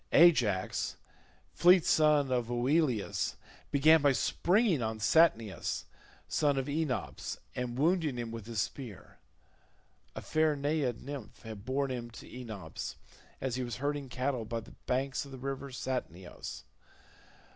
Ajax fleet son of Oileus began by springing on Satnius son of Enops, and wounding him with his spear: a fair naiad nymph had borne him to Enops as he was herding cattle by the banks of the river Satnioeis.